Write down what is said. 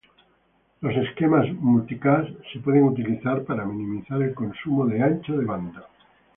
Los esquemas multicast se pueden utilizar para minimizar el consumo de ancho de banda.